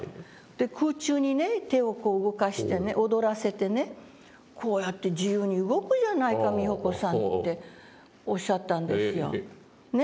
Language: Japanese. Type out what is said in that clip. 空中にね手をこう動かしてね躍らせてね「こうやって自由に動くじゃないか美穂子さん」っておっしゃったんですよね。